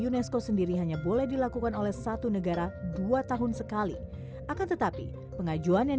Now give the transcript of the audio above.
unesco sendiri hanya boleh dilakukan oleh satu negara dua tahun sekali akan tetapi pengajuan yang